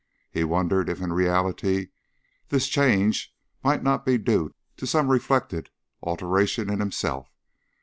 He wondered if in reality this change might not be due to some reflected alteration in himself.